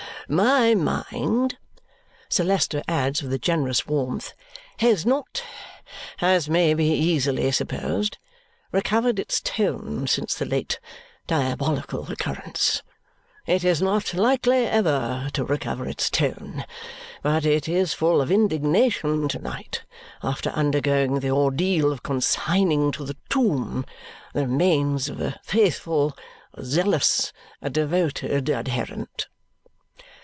"My mind," Sir Leicester adds with a generous warmth, "has not, as may be easily supposed, recovered its tone since the late diabolical occurrence. It is not likely ever to recover its tone. But it is full of indignation to night after undergoing the ordeal of consigning to the tomb the remains of a faithful, a zealous, a devoted adherent."